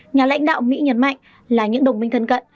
nhà lãnh đạo mỹ nhấn mạnh là những đồng minh thân cận